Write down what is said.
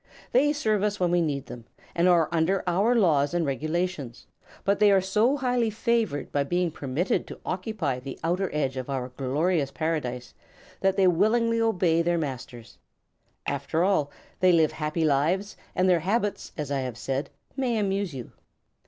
They serve us when we need them, and are under our laws and regulations; but they are so highly favored by being permitted to occupy the outer edge of our glorious Paradise that they willingly obey their masters. After all, they live happy lives, and their habits, as I have said, may amuse you.